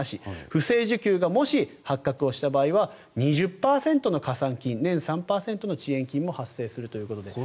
不正受給がもし発覚した場合は２０％の加算金年３％の遅延金も発生するということです。